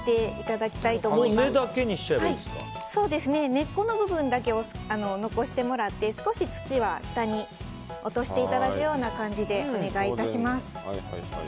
根っこの部分だけを残してもらって少し土は下に落としていただくような感じでお願いいたします。